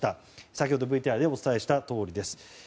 先ほどＶＴＲでお伝えしたとおりです。